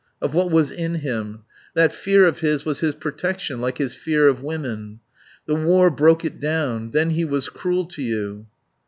Of what was in him. That fear of his was his protection, like his fear of women. The war broke it down. Then he was cruel to you."